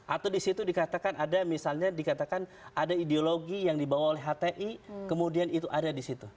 atau di situ dikatakan ada misalnya dikatakan ada ideologi yang dibawa oleh hti kemudian itu ada di situ